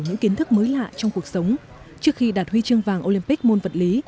những kiến thức mới lạ trong cuộc sống trước khi đạt huy chương vàng olympic môn vật lý